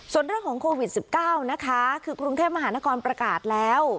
ส่วนเรื่องของโควิด๑๙นะคะคือกรุงเทพมหานครประกาศแล้ว